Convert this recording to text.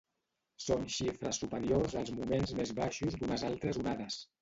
Són xifres superiors als moments més baixos d’unes altres onades.